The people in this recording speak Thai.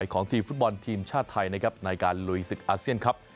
ของทีมฟุตบอลทีมชาติไทยนะครับในการลุยศึกอาเซียนครับ